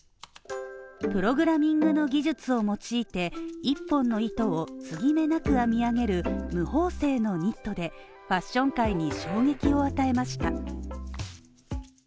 プログラミングの技術を用いて、１本の糸を継ぎ目なく編み上げる無縫製のニットでファッション界に衝撃を与えました。